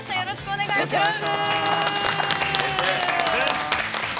よろしくお願いします。